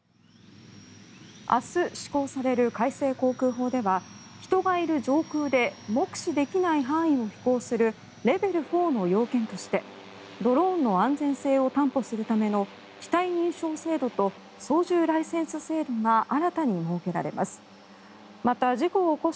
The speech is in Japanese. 明日施行される改正航空法では人がいる上空で目視できない範囲を飛行するレベル４の要件としてドローンの安全性を担保するための機体認証制度と操縦ライセンス制度が新たに設けられます。